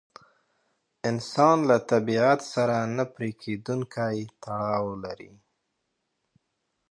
انسان له طبیعت سره نه پرېکېدونکی تړاو لري.